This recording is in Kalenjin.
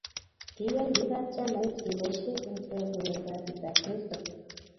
Kiyan biik ab chamait keboisie eng sel koyay kasit ab kristo